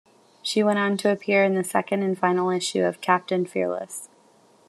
She went on to appear in the second and final issue of "Captain Fearless".